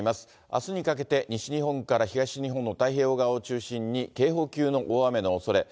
あすにかけて、西日本から東日本の太平洋側を中心に警報級の大雨のおそれ。